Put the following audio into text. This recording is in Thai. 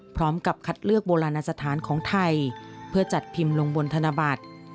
พร้อมกับคัดเลือกโบราณสถานของไทยเพื่อจัดพิมพ์ลงบนธนบัตร